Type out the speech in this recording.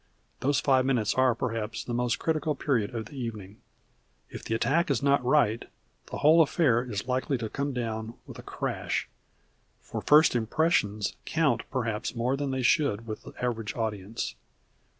Those five minutes are perhaps the most critical period of the evening. If the attack is not right, the whole affair is likely to come down with a crash; for first impressions count perhaps more than they should with the average audience.